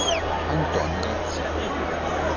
Antonio García